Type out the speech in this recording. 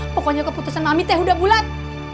pokoknya keputusan mami teh udah bulat